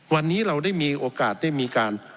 วันนี้เราได้มีโอกาสได้มีการ